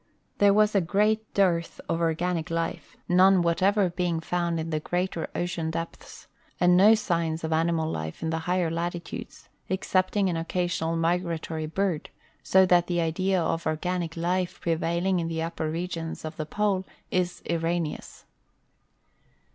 There was a great dearth of organic life, none whatever being found in the greater ocean depths, and no signs of animal life in the higher latitudes, excepting an occa sional migratory bird, so that the idea of organic life prevailing in the upper regions about the Pole is erroneous.